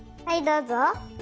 はいどうぞ。